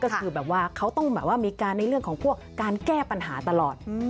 ก็คือแบบว่าเขาต้องแบบว่ามีการในเรื่องของพวกการแก้ปัญหาตลอด